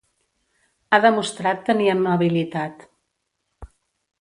Ha demostrat tenir amabilitat.